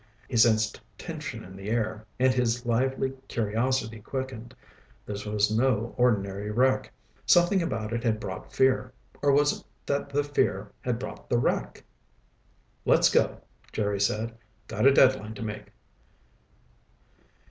He sensed tension in the air, and his lively curiosity quickened. This was no ordinary wreck. Something about it had brought fear. Or was it that the fear had brought the wreck? "Let's go," Jerry said. "Got a deadline to make."